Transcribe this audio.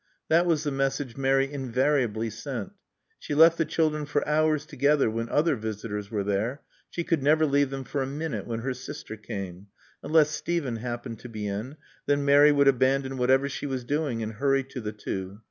That was the message Mary invariably sent. She left the children for hours together when other visitors were there. She could never leave them for a minute when her sister came. Unless Steven happened to be in. Then Mary would abandon whatever she was doing and hurry to the two.